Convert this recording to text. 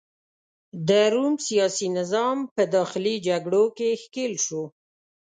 د روم سیاسي نظام په داخلي جګړو کې ښکیل شو.